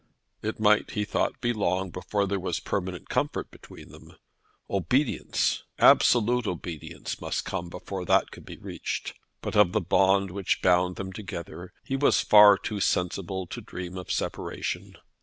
It might, he thought, be long before there was permanent comfort between them. Obedience, absolute obedience, must come before that could be reached. But of the bond which bound them together he was far too sensible to dream of separation.